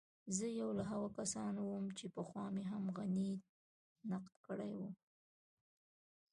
زه يو له هغو کسانو وم چې پخوا مې هم غني نقد کړی و.